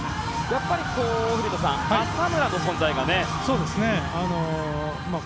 やっぱり浅村の存在がね。